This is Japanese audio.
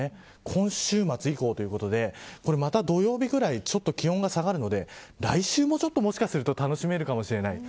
今週末以降ということでまた土曜日ぐらい気温が下がるので来週ももしかすると楽しめるかもしれません。